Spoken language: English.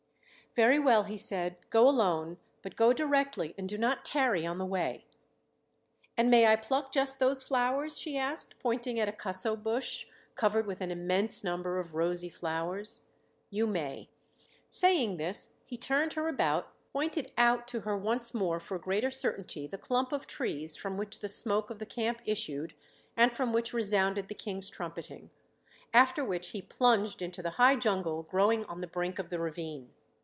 "Very well," he said, "go alone, but go directly, and do not tarry on the way." "And may I pluck just those flowers?" she asked, pointing at a cusso bush, covered with an immense number of rosy flowers. "You may." Saying this, he turned her about, pointed out to her once more for greater certainty the clump of trees from which the smoke of the camp issued and from which resounded the King's trumpeting, after which he plunged into the high jungle growing on the brink of the ravine.